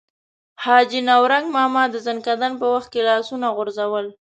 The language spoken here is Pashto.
حاجي نورنګ ماما د ځنکدن په وخت کې لاسونه غورځول.